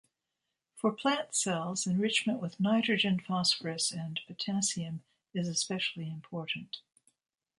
For plant cells, enrichment with nitrogen, phosphorus, and potassium is especially important.